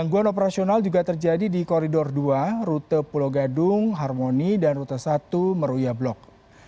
gangguan operasional juga terjadi di koridor dua rute pulau gadung harmoni dan rute satu meruya blok